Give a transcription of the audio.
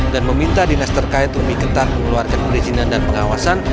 dan meminta dinas terkait umi ketat mengeluarkan perizinan dan pengawasan